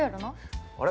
あれ？